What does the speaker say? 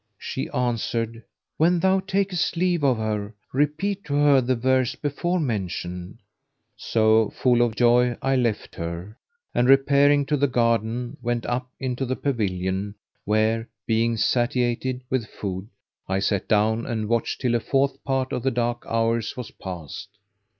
She answered, "When thou takest leave of her repeat to her the verse before mentioned." So, full of joy I left her and repairing to the garden, went up into the pavilion where, being satiated with food, I sat down and watched till a fourth part of the dark hours was past.